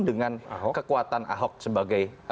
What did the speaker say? dengan kekuatan ahok sebagai